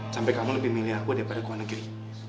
sampai kamu lebih milih aku daripada keluar negeri